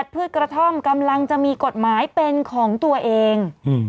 พืชกระท่อมกำลังจะมีกฎหมายเป็นของตัวเอง